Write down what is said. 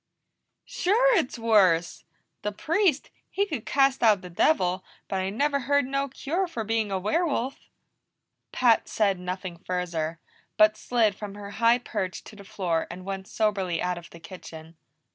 "Sure it's worse! The Priest, he could cast out the devil, but I never heard no cure for being a werewolf." Pat said nothing further, but slid from her high perch to the floor and went soberly out of the kitchen.